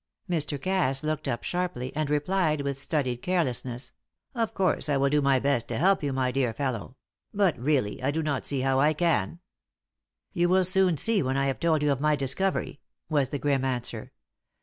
Mr. Cass looked up sharply, and replied with studied carelessness: "Of course I will do my best to help you, my dear fellow; but really I do not see how I can." "You will soon see when I have told you of my discovery," was the grim answer.